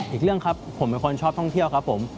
อีกเรื่องครับผมเป็นคนชอบท่องเที่ยวครับผม